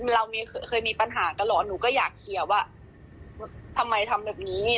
เราเคยมีปัญหากันเหรอหนูก็อยากเคลียร์ว่าทำไมทำแบบนี้